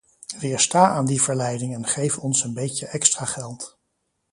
Weersta aan die verleiding en geef ons een beetje extra geld.